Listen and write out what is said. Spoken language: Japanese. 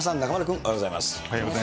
おはようございます。